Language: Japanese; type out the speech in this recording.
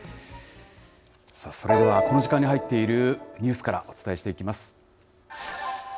それでは、この時間に入っているニュースからお伝えしていきます。